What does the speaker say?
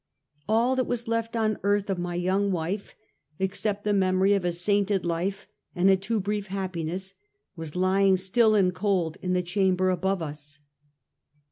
All that was left on earth of my young wife, except the memory of a sainted life and a too brief happiness, was lying still and cold in the chamber above us.